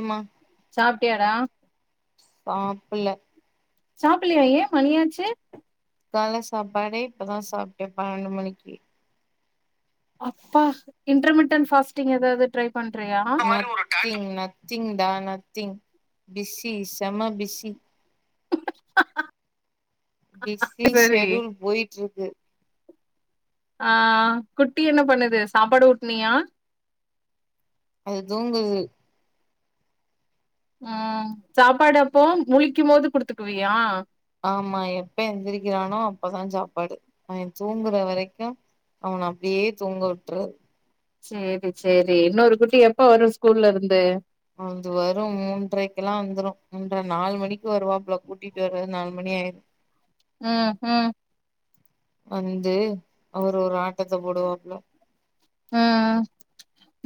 ஆமா சாப்டியடா இல்ல சாப்பில்லையா எ மணியாச்சு கால்ல சாப்பாடே இப்பதா சாப்ட்டே பன்னெண்டு மணிக்கு அப்பா இன்டர் மீட்டின் ஃபாஸ்டிங் ஏதாவது ட்ரை பண்றியா நத்திங் நத்திங்தா நா திங் பிசி செமபிசி ஹா பிஸி ஷெடூல் போயிட்டு இருக்கு ஆ குட்டி என்ன பண்ணுது சாப்பாடு ஊட்னியா அது தூங்குது ம் சாப்பாடு அப்போ முழிக்கு போது குடுத்துக்குவியா ஆமா எப்ப எந்திரிக்கிறானோ அப்பதா சாப்பாடு அவே தூங்குற வரைக்கு அவன அப்பிடியே தூங்க விட்டறது சேரி சேரி இன்னொரு குட்டி எப்ப வரு ஸ்கூல்ல இருந்து அஞ்சி வரு மூன்றரைக்கெல்லா வந்துரு மூன்ற நாலு மணிக்கு வருவாப்ல கூட்டிட்டு வர்றது நாலு மணி ஆயிரு ம் ம் வந்து அவரு ஒரு ஆட்டத்த போடுவாப்புல ம்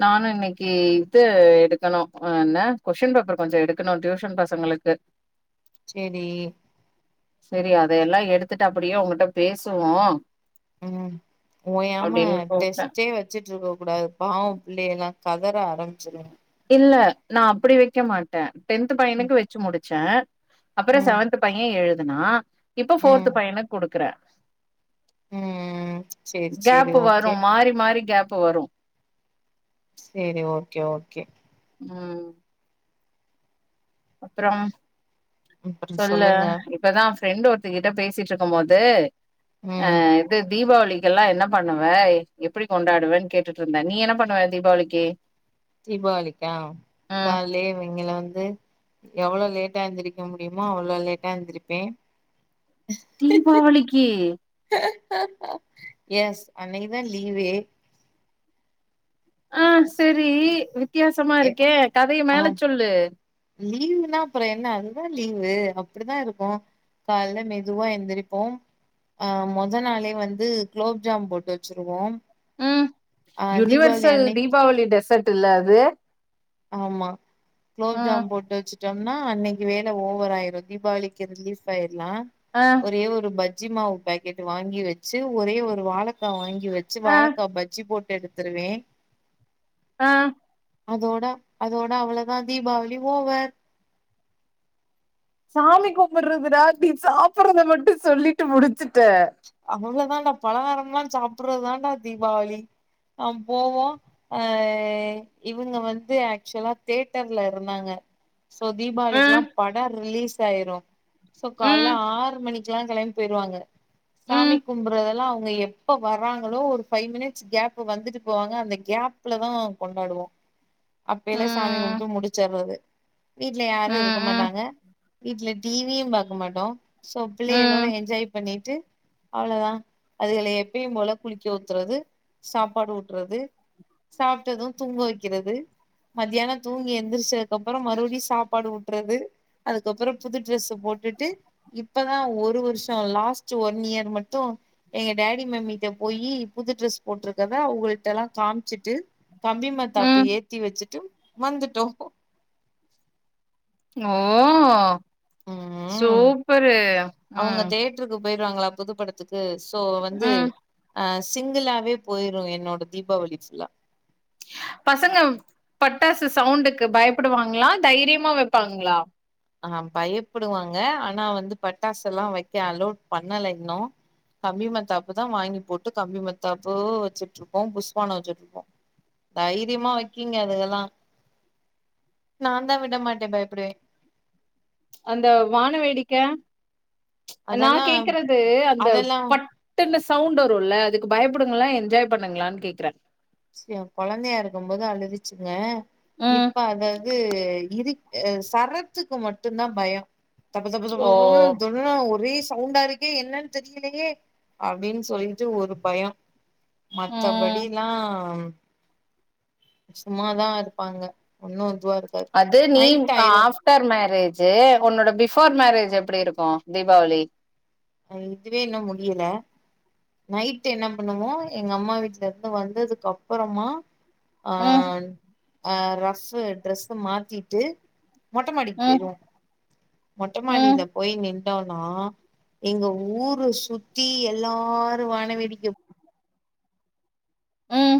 நானு இன்னக்கி இது எடுக்கணு என்ன கொஸின் பேப்பர் கொஞ்சோ எடுக்கணு டியூசன் பசங்களுக்கு சேரி சேரி அதெல்லா எடுத்துட்டு அப்பிடியே உங்கிட்ட பேசுவோ ம் ஓயாம அப்டின்னு கூப்ட்டே டெஸ்டே வச் ச்சிட்டு இருக்கக் கூடாது பாவோ பிள்ளை எல்லா கதற ஆரம்பச்சிருக்கங்க இல்ல நா அப்பிடி வைக்கமாட்டே டென்த் ம் பையனுக்கு வச்சி முச் ச்ச அப்புறோ ம் செவன்த் பையே எழு த்னா இப்போ ஃபோர்த் ம் பையனுக்கு குடுக்குறே ம் சேரி சேரி கேப் வரு ஓகே மாறி மாறி கேப் இப்ப வரு சேரி ஓகே ஓகே ம் அப்புறோ அப்றோ சொல்லு சொல்லுங்க இப்பதா ஃப்ரெண்ட் ஒருத்தகிட்ட பேசிட்டு இருக்கு போது அ ம் இது தீபாவளி இக்கெல்லா என்ன பண்ணுவ எப்பிடி கொண்டாடுவேன் கேட்டுட்டு இருந்தே நீ என்ன பண்ணுவ தீபாவளிக்கி தீபாவளிக்கா காலே இவங்கள வந் து எவ்ளோ லேட்டா எந்திருக்க முடியுமோ அவ்ளோ லேட்டா எந்திருப்பே டிபாவளிக்கு எஸ் அன்னிக்குதா லீவே ஆ சேரி வி த்தியாசமா எ இருக்கே கதைய ஆ மேல சொல்லு வே அப்பிடிதா இருக்கு கால்ல மெதுவா எந்திரிப்போ ஆ மொதநாளே வந்து குலோப்ஜாம் போட் வச்சிருவோ ம் ஆ தீபாவளி யூனிவர்சல் அன்னைக் தீபாவளி டெசர்ட் ட் இல்ல அது ஆமா ம் குலோப்ஜாம் போட் வச்சிட்டம் ன்னா அன்னைக்கு வேல ஓவர் ஆயிரு தீபாவளிக்கு ரிலீப் ஆயி க்குலா ஆ ஒரே ஒரு ப ஜிமாவு பேக்கட் வாங்கி வச்சி ஒரே ஒரு வாழ த்தா வாங்கி வச்சி ஆ வாழக்கா பச்சி போட் ட் எடுத்துருவே ஆ அதோட அதோட அவ்ளோதா தீபாவளி ஓவர் சாமி கும்பறதுடா நீ சாப்புறத மட்டு சொல்லிட்டு முடிச் ட்ட வான்டா பலகாரம்லாம் சாப்புறதுதான்டா தீபாவளி நம் போவோ அ இவுங்க வந்து ஆக்சுவலா தேட்டர்ல இருந்தாங்க சோ ம் தீபாவளில்லாம் படோ ரிலீஸ் த் ஆயிரு சோ ம் காலையில ஆறு மணிக்கல்லா கெளம்பி போயிருவாங்க ம் சாமி கும்புறதெல்லா அவுங்க எப்ப வர்றாங்களோ ஒரு ஃபைவ் மினிட்ஸ் கேப் வந்துட்டு போவாங்க அந்த கேப்லதா கொண்டாடுவோ அப்பிடில்லா சாமி ம் கும்புட்டு முடிச்சறது வீட்ல யாரு இருக்க ம் மாட்டாங்க வீட்ல டிவியு பாக்க மாட்டோ சோ பிள்ளைகளோட ம் என்ஜாய் பண்ணி ட்டு அவ்ளவுதா அதுகள எப்பியு போல குளிக்க ஊத்றது சாப்பாடு ஊத்றது சாப்புட்டது தூங்க வைக்கிறது மத்தியானோ தூங்கி எந்திரிச்சக அப்புறோ மறுபடியு சாப்பாடு ஊட்டறது அதுக்கப்புறோ புது ட்ரெஸ் போட்டுட்டு இப்பதா ஒரு வருஷோ லாஸ்ட் ஒன் ன் இயர் மட்டு எங்க டேடி மம்மிட்ட போயி புது ட்ரெஸ் போட்டிருக்கதா அவுல்ட்ட எல்லா காமிச்சுட்டு கம்பி மத்தாப்பு ம் ஏத்தி வச்சிட்டு வந்துட்டோ ஓ ம் சூப்பரு அவங்க ம் தேட்டருக்கு போயிருவாங்களா புது படத்துக்கு சோ வந்து ம் அஸ் சிங்கிளாவே போயிரு என்னோட தீபாவளி ஃபுல்லா பசங்க பட்டாசு சவுண்டுக்கு பயப்படுவாங்களா தைரியமா வைப்பாங்களா ஆ பயப்படுவாங்க ஆனா வந்து பட்டாசு எல்லா வைக்க அலோட் பண்ணல இன்னு கம்பிமத்தாப்புதா வாங்கி போட்டு கம்பிமத்தாப்பு வச்சுட்டு இருப்போ புஷ்வானோ வச்சுட்டு இருப்போ தைரியமா வைக்கீங்க அதுங்கெல்லாம் நான தான் விடமாட்டேன் பயப்படுவேன் அந்த வான வேடிக்க நா அதெல்லா கேக்குறது அந்த அதெல்லா பட்டுன்னுஸ் சவுண்டு வருல்ல அதுக்கு பயப்படுங்களா என்ஜாய் பண்ணுங்களான்னு கேக்குறே சியா குழந்தையா இருக்கும்போது அழுதுச்சுங்க ம் இப்ப அது-அது இரு ஆ சரத்துக்கு மட்டுந்தா பயோ ஓ தப-தப-தப-தப [unintelligible] ஓரே சவுண்டா இருக்கே என்னன்னு தெரியலையே அப்டின்னு சொல்லிட்டு ஒரு பயோ ம் மத்தபடிலா ஆம் சும்மாதா இருப்பாங்க ஒன்னோ அது நீ ஆஃப்டர் மேரேஜ் ஜி உன்னோட பிஃபோர் மேரேஜ் எப்டி இருக்கோ தீபாவளி அ இதுவே இன்னோ முடியல நைட் என்ன பண்ணுவோ எங்க அம்மா வீட்டுலருந்து வந்ததுக்கு அப்புறமா ம் ஆன் ஆ ரஃப் ட்ரெஸ்ச மாத்திட்டு மொட்டமாடிக்கு ம் போயிருவோ மொட்டமாடியில ம் போயி நின்ன யோனா எங்க ஊர சுத்தி எல்லாரு வானவேடிக்க ம்